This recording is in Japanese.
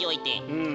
うん。